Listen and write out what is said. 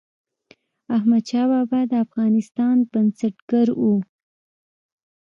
احمدشاه بابا د افغانستان بنسټګر و.